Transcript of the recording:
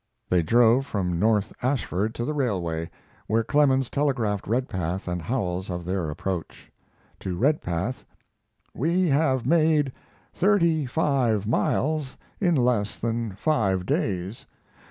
They drove from North Ashford to the railway, where Clemens telegraphed Redpath and Howells of their approach. To Redpath: We have made thirty five miles in less than five days.